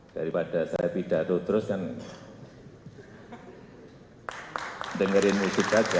daripada saya pidato terus kan dengerin musik aja